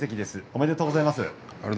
おめでとうございます。